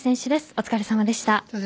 お疲れさまでした。